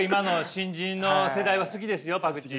新人の世代は好きですよパクチー。